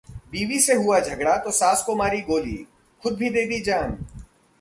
बीवी से हुआ झगड़ा तो सास को मारी गोली, खुद भी दे दी जान